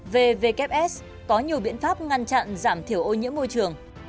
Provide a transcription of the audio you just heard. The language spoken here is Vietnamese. vvfs có nhiều biện pháp ngăn chặn giảm thiểu ô nhiễm môi trường